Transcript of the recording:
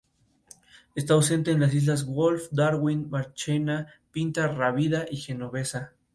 Está ausente en las islas: Wolf, Darwin, Marchena, Pinta, Rábida, y Genovesa.